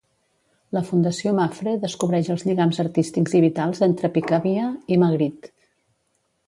La Fundació Mapfre descobreix els lligams artístics i vitals entre Picabia i Magritte.